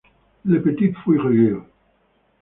Le Petit-Fougeray